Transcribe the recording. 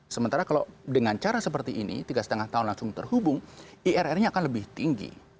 sementara kalau dengan cara seperti ini tiga lima tahun langsung terhubung irr nya akan lebih tinggi